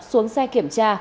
xuống xe kiểm tra